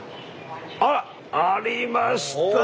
あら！ありました。